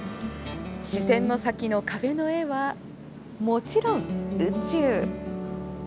視線の先の壁の絵はもちろん宇宙。